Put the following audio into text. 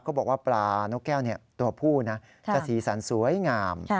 เขาบอกว่าปลานกแก้วตัวผู้นะจะสีสันสวยงาม